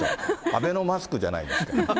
アベノマスクじゃないんだから。